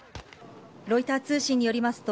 ロイター通信によりますと、